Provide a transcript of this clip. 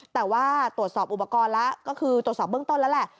แต่ว่าตรวจสอบอุปกรณ์แล้วก็คือตรวจสอบเบื้องต้นแล้วแหละ